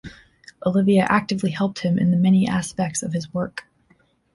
Olivia actively helped him in the many aspects of his work.